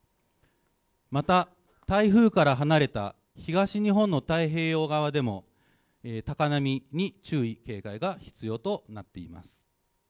また台風から離れた東日本の太平洋側でも、高波に注意、警戒が必要となっています。